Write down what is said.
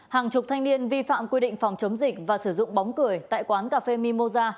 hàng chục thanh niên vi phạm quy định phòng chống dịch và sử dụng bóng cười tại quán cà phê mimosa